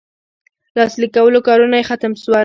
لاسلیک کولو کارونه یې ختم سول.